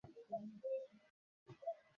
এরজন্য মূলতঃ ঐ ইনিংসটি ব্যাপক ভূমিকা রেখেছিল।